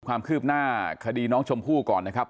ความคืบหน้าคดีน้องชมพู่ก่อนนะครับ